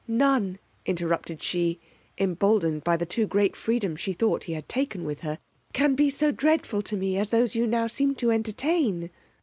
None, interrupted she, emboldened by the too great freedom she thought he had taken with her, can be so dreadful to me as those you now seem to entertain.